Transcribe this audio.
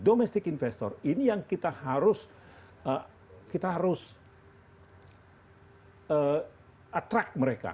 domestic investor ini yang kita harus kita harus attract mereka